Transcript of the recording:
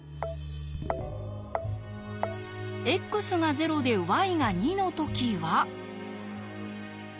ｘが０でｙが２の時は。